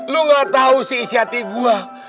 lu gak tau sih isi hati gue